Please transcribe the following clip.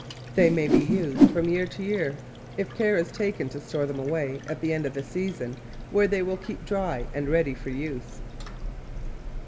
They may be used from year to year if care is taken to store them away, at the end of the season, where they will keep dry and ready for use.